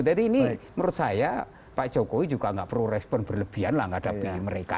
tapi saya pak jokowi juga gak perlu respon berlebihan lah ngadapi mereka